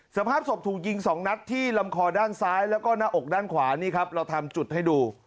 สภาพศพถูกยิง๒นัดที่ลำคอด้านซ้ายแล้วก็หน้าอกด้านขวานี่ครับเราทำจุดให้ดู